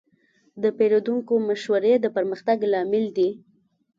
د پیرودونکو مشورې د پرمختګ لامل دي.